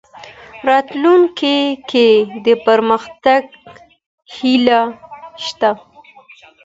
راتلونکې کې د پرمختګ هیله شته.